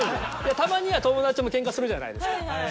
たまには友達ともけんかするじゃないですか。